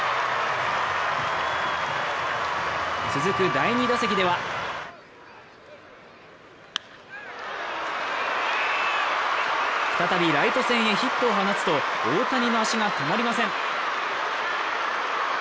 続く第２打席では再びライト線へヒットを放つと大谷の足が止まりません。